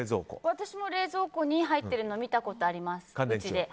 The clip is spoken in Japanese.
私も冷蔵庫に入ってるの見たことあります。